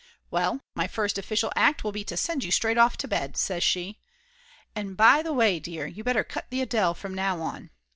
"Well, my first official act will be to send you straight off to bed," says she. "And by the way, dear, you better cut the Adele from now on.